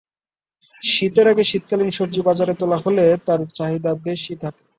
শীতের আগে শীতকালীন সবজি বাজারে তোলা হলে তার চাহিদা বেশি থাকে।